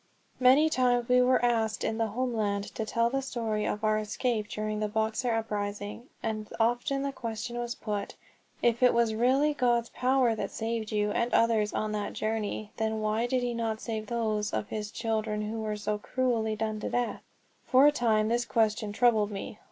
MANY times we were asked in the homeland to tell the story of our escape during the Boxer uprising, and often the question was put, "If it was really God's power that saved you and others on that journey, then why did he not save those of his children who were so cruelly done to death?" For a time this question troubled me.